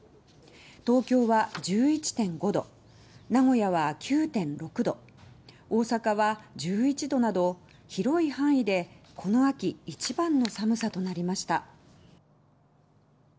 東京は１１．５度名古屋は９．６度大阪は１１度など、広い範囲でこの秋一番の寒さとなりました。